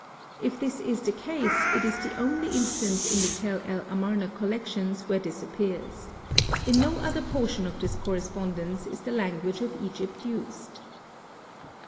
If this is the case it is the only instance in the Tel el Amarna collections where this appears. In no other portion of this correspondence is the language of Egypt used.